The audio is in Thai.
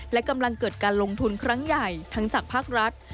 และกำลังเกิดการลงทุนครั้งใหญ่ทั้งจากภาครัฐ